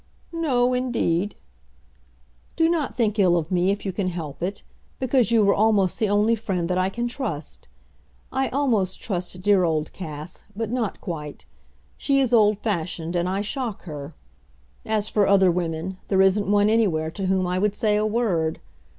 "No, indeed." "Do not think ill of me if you can help it, because you are almost the only friend that I can trust. I almost trust dear old Cass, but not quite. She is old fashioned and I shock her. As for other women, there isn't one anywhere to whom I would say a word.